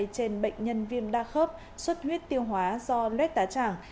trên bệnh nhân viêm đa khớp suất huyết tiêu hóa do lết tá tràng